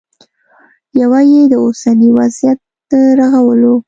یوه یې د اوسني وضعیت د رغولو